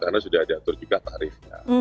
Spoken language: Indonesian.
karena sudah diatur juga tarifnya